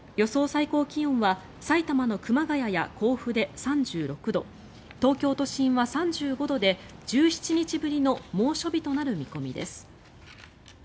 最高気温は埼玉の熊谷や甲府で３６度東京都心は３５度で１７日ぶりの猛暑日となる見込みです。